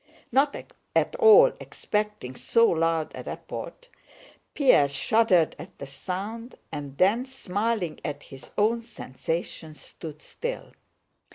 Not at all expecting so loud a report, Pierre shuddered at the sound and then, smiling at his own sensations, stood still.